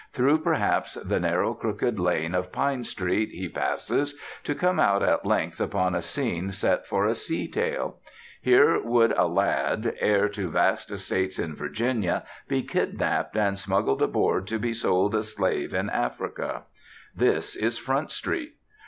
Through, perhaps, the narrow, crooked lane of Pine Street he passes, to come out at length upon a scene set for a sea tale. Here would a lad, heir to vast estates in Virginia, be kidnapped and smuggled aboard to be sold a slave in Africa. This is Front Street.